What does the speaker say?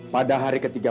pada hari ketiga